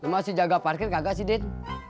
masih jaga parkir kagak sih den